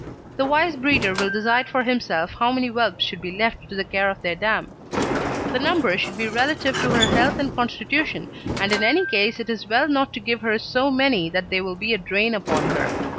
The wise breeder will decide for himself how many whelps should be left to the care of their dam. The number should be relative to her health and constitution, and in any case it is well not to give her so many that they will be a drain upon her.